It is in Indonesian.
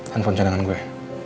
handphone cadangan gue